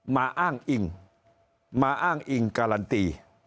อ้างอิงมาอ้างอิงการันตี